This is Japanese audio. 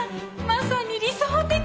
まさに理想的！